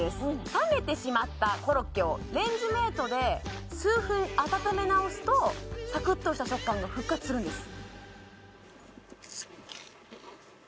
冷めてしまったコロッケをレンジメートで数分温めなおすとサクッとした食感が復活するんです